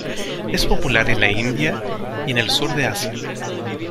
Es popular en la India y en el sur de Asia.